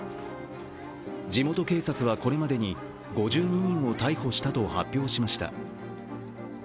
地元警察はこれまでに５２人を逮捕したと発表しました。